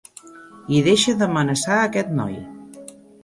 I deixa d'amenaçar a aquest noi.